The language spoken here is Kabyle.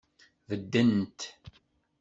Beddent.